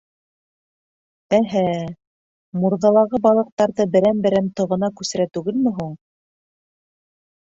Эһә, мурҙалағы балыҡтарҙы берәм-берәм тоғона күсерә түгелме һуң?